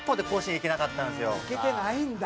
行けてないんだ。